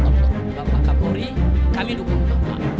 bapak kapolri kami dukung bapak